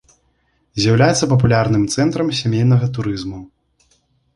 З'яўляецца папулярным цэнтрам сямейнага турызму.